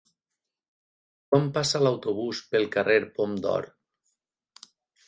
Quan passa l'autobús pel carrer Pom d'Or?